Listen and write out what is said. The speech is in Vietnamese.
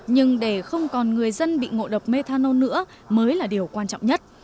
nhưng để không còn người dân bị ngộ độc methanol nữa mới là điều quan trọng nhất